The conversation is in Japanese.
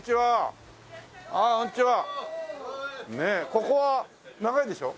ここは長いでしょ？